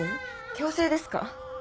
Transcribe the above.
強制ですか？